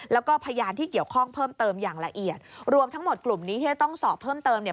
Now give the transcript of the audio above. แล้วก็พยานที่เกี่ยวข้องเพิ่มเติมอย่างละเอียดรวมทั้งหมดกลุ่มนี้ที่จะต้องสอบเพิ่มเติมเนี่ย